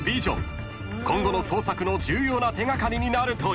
［今後の捜索の重要な手掛かりになるという］